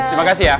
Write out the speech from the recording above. terima kasih ya